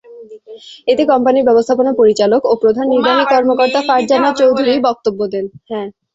এতে কোম্পানির ব্যবস্থাপনা পরিচালক ও প্রধান নির্বাহী কর্মকর্তা ফারজানা চৌধুরী বক্তব্য দেন।